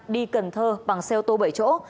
đi cần thơ bằng xe ô tô bảy chỗ